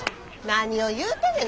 何を言うてんねんな！